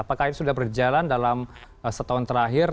apakah ini sudah berjalan dalam setahun terakhir